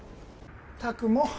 ったくもう。